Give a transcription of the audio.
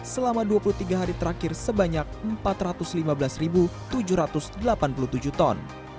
selama dua puluh tiga hari terakhir sebanyak empat ratus lima belas tujuh ratus delapan puluh tujuh ton